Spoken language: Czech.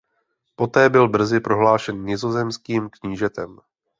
Poté byl brzy prohlášen nizozemským knížetem.